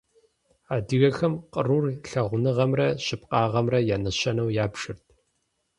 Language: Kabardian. Адыгэхэм кърур лъагъуныгъэмрэ щыпкъагъэмрэ я нэщэнэу ябжырт.